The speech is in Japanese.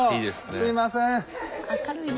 すいません。